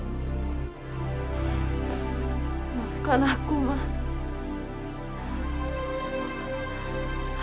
maafkan aku mak